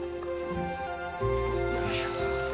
よいしょ。